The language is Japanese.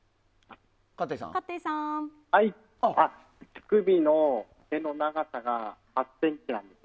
乳首の毛の長さが８ｃｍなんです。